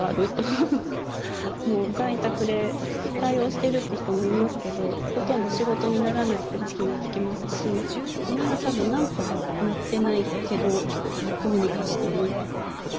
って、もう在宅で対応してるって人もいますけど、ほとんど仕事にならないって聞きますし、みんなたぶんなんとかなってないけど、どうにかしてる。